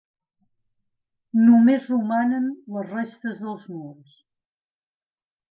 Només romanen les restes dels murs.